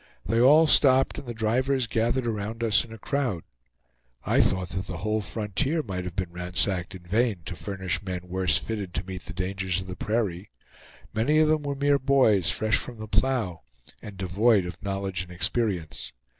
They all stopped, and the drivers gathered around us in a crowd. I thought that the whole frontier might have been ransacked in vain to furnish men worse fitted to meet the dangers of the prairie. Many of them were mere boys, fresh from the plow, and devoid of knowledge and experience.